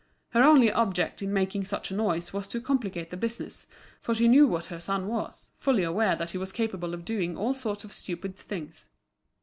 Her only object in making such a noise was to complicate the business, for she knew what her son was, fully aware that he was capable of doing all sorts of stupid things.